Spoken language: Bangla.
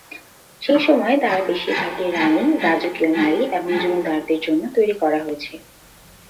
সেই সময়ে, তারা বেশিরভাগই রাণী, রাজকীয় নারী এবং জমিদারদের জন্য তৈরী করা হয়েছে।